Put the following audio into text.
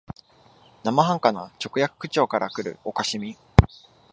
生半可な直訳口調からくる可笑しみ、